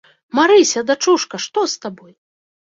Марыся, дачушка, што з табой?